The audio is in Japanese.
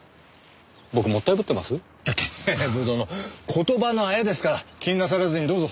言葉の綾ですから気になさらずにどうぞ。